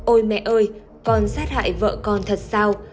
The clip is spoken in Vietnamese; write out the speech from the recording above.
ôi mẹ ơi còn sát hại vợ con thật sao